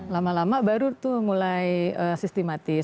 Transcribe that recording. lama lama baru tuh mulai sistematis